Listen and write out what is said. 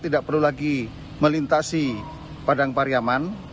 tidak perlu lagi melintasi padang pariaman